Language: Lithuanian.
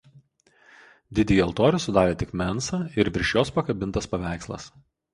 Didįjį altorių sudarė tik mensa ir virš jos pakabintas paveikslas.